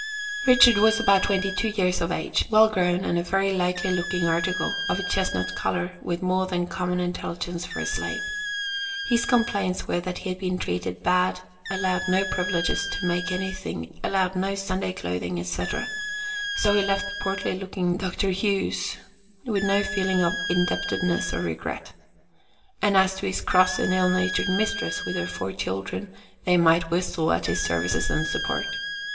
Richard was about twenty two years of age, well grown, and a very likely looking article, of a chestnut color, with more than common intelligence for a slave. His complaints were that he had been treated "bad," allowed "no privileges" to make anything, allowed "no Sunday clothing," &c. So he left the portly looking Dr. Hughes, with no feeling of indebtedness or regret. And as to his "cross and ill natured" mistress, with her four children, they might whistle for his services and support.